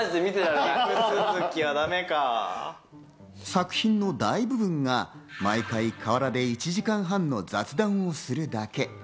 作品の大部分が毎回河原で１時間半の雑談をするだけ。